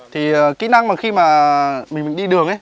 thì kỹ năng mà khi mà mình đi đường ấy